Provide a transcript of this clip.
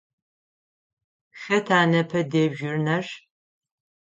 Хэта непэ дежурнэр?